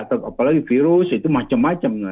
apalagi virus itu macam macam